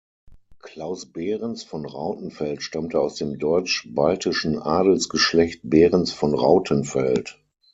Klaus Berens von Rautenfeld stammte aus dem deutsch-baltischen Adelsgeschlecht Berens von Rautenfeld.